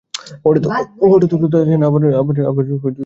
হঠাৎ-হঠাৎ আসেন, আবার চলে যান।